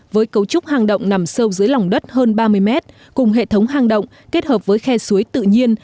với cấu trúc hang động nằm sâu dưới lòng đất hơn ba mươi mét cùng hệ thống hang động kết hợp với khe suối tự nhiên